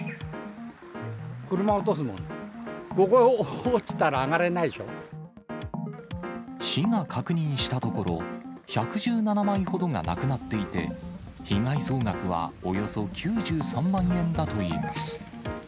車落とすもんで、ここに落ちたら、市が確認したところ、１１７枚ほどがなくなっていて、被害総額はおよそ９３万円だといいます。